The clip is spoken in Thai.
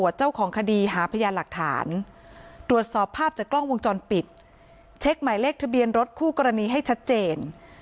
เช็คหมายเลขทะเบียนรถคู่กรณีให้ชัดเจน